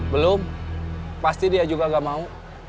belum pasti dia juga gak mau